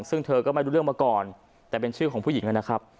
ซึ่งเธอก็ไม่รู้เรื่องมาก่อนแต่เป็นชื่อของผู้หญิงนะครับ